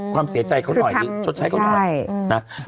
ความเสียใจเค้าน่อยหรือชดใช้เค้าน่ะใช่